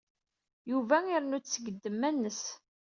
Yuba irennu-d seg ddemma-nnes.